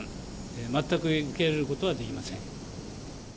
全く受け入れることはできません。